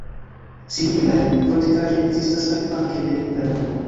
Similaj fortikaĵoj ekzistas aliflanke de Danubo.